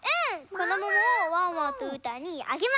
このモモをワンワンとうーたんにあげます。